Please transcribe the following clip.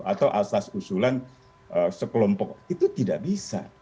atau asas usulan sekelompok itu tidak bisa